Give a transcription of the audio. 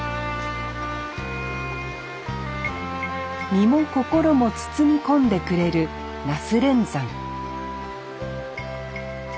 身も心も包み込んでくれる那須連山